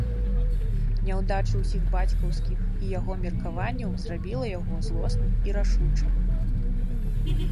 Няўдача ўсіх бацькаўскіх і яго меркаванняў зрабіла яго злосным і рашучым.